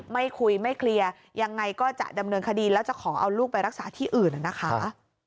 ไม่คุยไม่เคลียร์ยังไงก็จะดำเนินคดีแล้วจะขอเอาลูกไปรักษาที่อื่นนะคะ